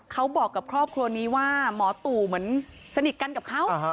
เขาบอกกับครอบครัวนี้ว่าหมอตู่เหมือนสนิทกันกับเขา